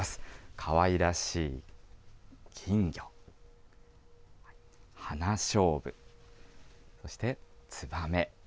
かわいらしい金魚、ハナショウブ、そしてつばめ。